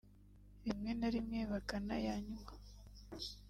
rimwe na rimwe bakanayanywa